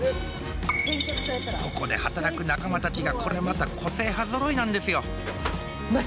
ここで働く仲間たちがこれまた個性派ぞろいなんですよ